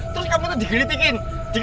terus kamu tuh dikritikin